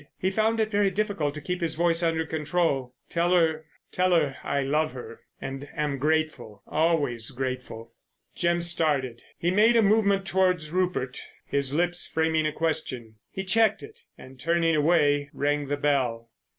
He found it very difficult to keep his voice under control. "Tell her—tell her I love her—and am grateful, always grateful." Jim started. He made a movement towards Rupert, his lips framing a question. He checked it, and, turning away, rang the bell.